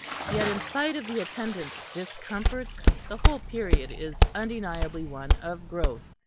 Yet in spite of the attendant discomforts the whole period is undeniably one of growth.